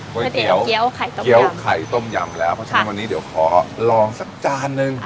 ก๋วยเตี๋ยวเกี้ยวไข่ต้มเกี้ยวไข่ต้มยำแล้วเพราะฉะนั้นวันนี้เดี๋ยวขอลองสักจานนึง